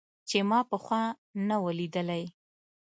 چې ما پخوا نه و ليدلى.